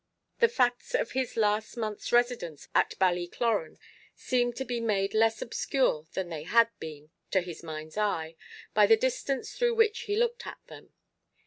The facts of his last month's residence at Ballycloran seemed to be made less obscure than they had been, to his mind's eye, by the distance through which he looked at them.